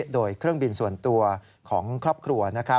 โดยเครื่องบินส่วนตัวของครอบครัว